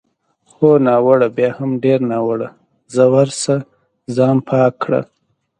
هو، ناوړه او بیا هم ډېر ناوړه، ځه ورشه ځان پاک کړه.